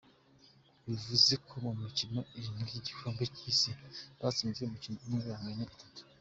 Bivuze ko mu mikino irindwi y’igikombe cy’Isi, batsinze umukino umwe banganya itatu.